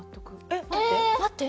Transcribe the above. えっ待って。